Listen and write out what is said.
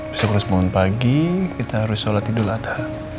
besok harus bangun pagi kita harus sholat idul adha